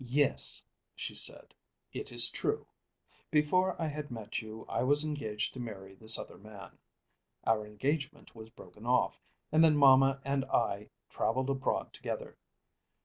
"Yes," she said, "it is true. Before I had met you I was engaged to marry this other man. Our engagement was broken off, and then mamma and I travelled abroad together.